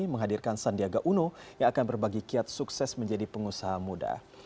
menghadirkan sandiaga uno yang akan berbagi kiat sukses menjadi pengusaha muda